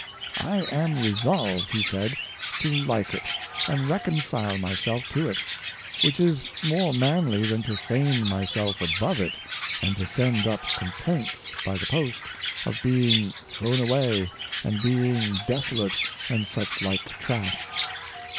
"I am resolved," he said, "tohkeit, and reconcile myself to it, which is more manly than to feign myself above it, and to send up complaints by the post, of being thrown away, and being desolate, and such like trash."